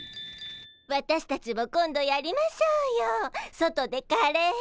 私たちも今度やりましょうよ外でカレー。